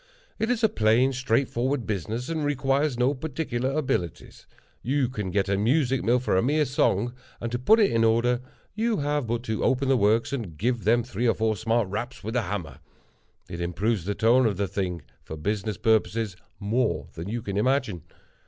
It is a plain, straightforward business, and requires no particular abilities. You can get a music mill for a mere song, and to put it in order, you have but to open the works, and give them three or four smart raps with a hammer. It improves the tone of the thing, for business purposes, more than you can imagine.